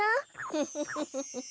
フフフフフ。